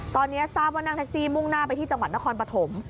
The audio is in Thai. ตอนนี้ทราบว่านั่งแท็กซี่มุ่งหน้าไปที่จังหวัดนครปฐม